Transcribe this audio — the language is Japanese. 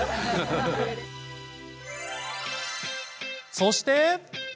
そして。